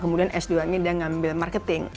kemudian s dua nya dia mengambil marketing